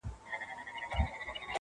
چي د اباسين اوبه غواړي، تږی نه دئ.